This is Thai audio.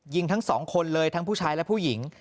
ทั้งสองคนเลยทั้งผู้ชายและผู้หญิง